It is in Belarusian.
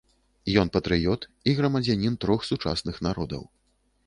Ён патрыёт і грамадзянін трох сучасных народаў.